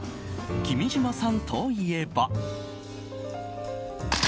君島さんといえば。